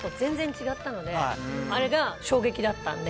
あれが衝撃だったんで。